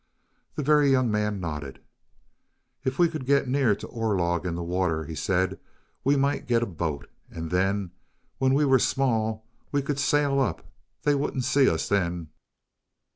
The Very Young Man nodded. "If we could get near to Orlog in the water," he said, "we might get a boat. And then when we were small, we could sail up. They wouldn't see us then."